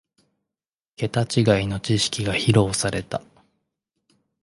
ケタ違いの知識が披露された